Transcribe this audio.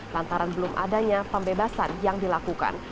lantaran belum adanya pembebasan yang dilakukan